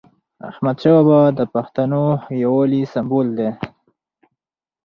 احمدشاه بابا د پښتنو یووالي سمبول دی.